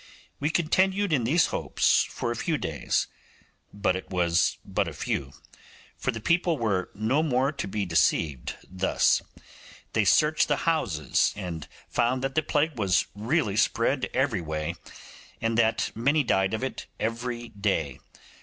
We continued in these hopes for a few days, but it was but for a few, for the people were no more to be deceived thus; they searched the houses and found that the plague was really spread every way, and that many died of it every day.